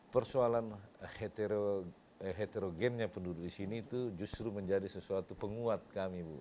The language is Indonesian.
persoalan heterogennya penduduk di sini itu justru menjadi sesuatu penguat kami bu